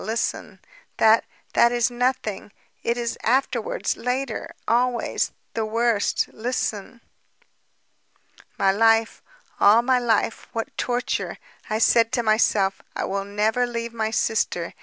listen ... that, that is nothing. It is afterwards, later ... always ... the worst ... listen. "My life, all my life ... what torture! I said to myself: 'I will never leave my sister.